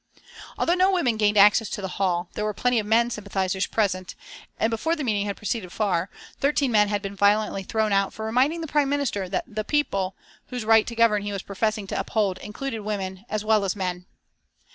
Although no women gained access to the hall, there were plenty of men sympathisers present, and before the meeting had proceeded far thirteen men had been violently thrown out for reminding the Prime Minister that "the people" whose right to govern he was professing to uphold, included women as well as men.